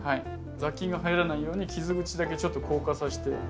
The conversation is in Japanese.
雑菌が入らないように傷口だけちょっと硬化させて。